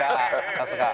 さすが。